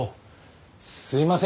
すいません。